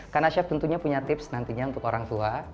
karena chef tentunya punya tips nantinya untuk orang tua